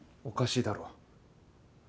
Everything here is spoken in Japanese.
おかしいだろ。